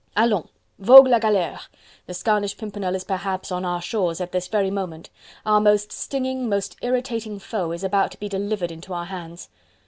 Allons! vogue la galere! The Scarlet Pimpernel is perhaps on our shores at this very moment! Our most stinging, most irritating foe is about to be delivered into our hands.